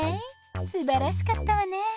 すばらしかったわね。